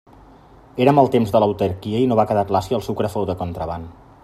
Érem al temps de l'autarquia i no va quedar clar si el sucre fou de contraban.